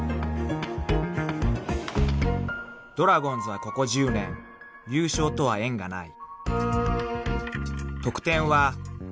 ［ドラゴンズはここ１０年優勝とは縁がない］